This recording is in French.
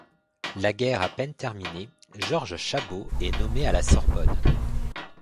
La guerre à peine terminée, Georges Chabot est nommé à la Sorbonne.